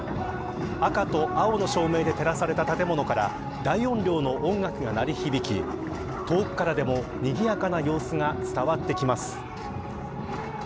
赤と青の照明で照らされた建物から大音量の音楽が鳴り響き遠くからでもにぎやかな様子が伝わってきます。